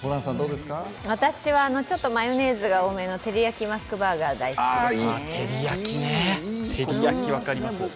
私はちょっとマヨネーズが多めのてりやきマックバーガーが好きです。